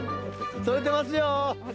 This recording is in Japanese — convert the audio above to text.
とれてますよ！